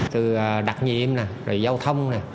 từ đặc nhiệm rồi giao thông